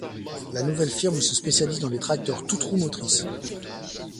La nouvelle firme se spécialise dans les tracteurs toutes-roues motrices.